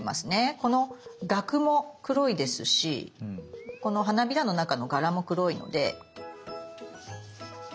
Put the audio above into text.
このがくも黒いですしこの花びらの中の柄も黒いので。